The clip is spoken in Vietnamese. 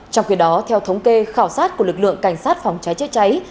trong khi đó theo thống kê khảo sát của lực lượng cảnh sát phòng cháy chữa cháy